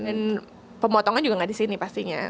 dan pemotongan juga nggak di sini pastinya